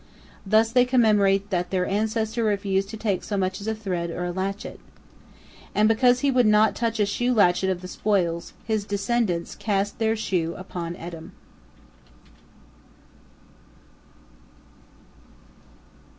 Thus they commemorate that their ancestor refused to take so much as a thread or a latchet. And because he would not touch a shoe latchet of the spoils, his descendants cast their shoe upon Edom.